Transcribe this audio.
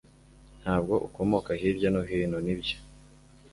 Ntabwo ukomoka hirya no hino, nibyo?